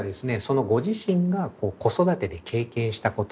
そのご自身が子育てで経験したこと。